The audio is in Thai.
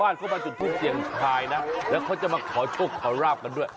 อะไรของคุณ